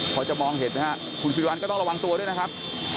พอจะมองเห็นไหมฮะคุณสิริวัลก็ต้องระวังตัวด้วยนะครับ